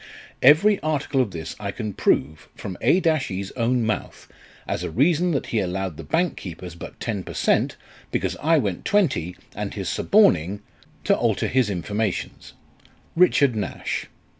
" Every article of this I can prove from A e's own mouth, as a reason that he allowed the bank keepers but 10 per cent, because I went 20, and his suborning ... to alter his informations. " RICHAUD NASH."